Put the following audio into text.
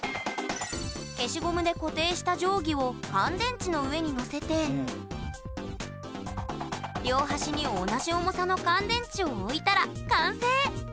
消しゴムで固定した定規を乾電池の上に載せて両端に同じ重さの乾電池を置いたら完成！